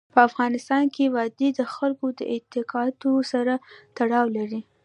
په افغانستان کې وادي د خلکو د اعتقاداتو سره تړاو لري.